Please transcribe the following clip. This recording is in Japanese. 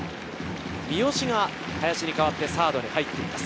三好が林に代わってサードに入っています。